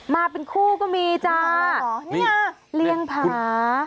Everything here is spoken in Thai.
มาเป็นคู่ก็มีจ้าเรียงผาเป็นผาหรือเปล่านี่คุณ